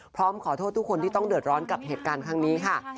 พร้อมขอโทษทุกคนที่ต้องเดือดร้อนกับเหตุการณ์ครั้งนี้ค่ะ